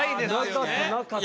なかったなかった。